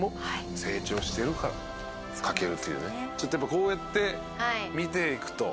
ちょっとやっぱこうやって見ていくと。